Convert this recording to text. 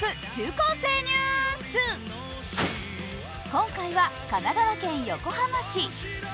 今回は神奈川県横浜市。